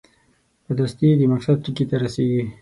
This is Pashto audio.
په دستي د مقصد ټکي ته رسېږي.